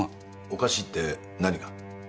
おかしいって何が？